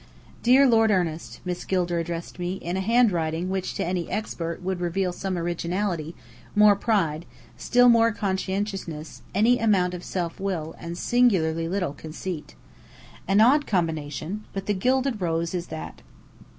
"Dear Lord Ernest," Miss Gilder addressed me, in a handwriting which to any "expert" would reveal some originality, more pride, still more conscientiousness, any amount of self will, and singularly little conceit. An odd combination! But the Gilded Rose is that.